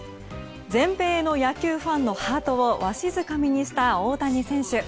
全米の野球ファンのハートをわしづかみにした大谷選手。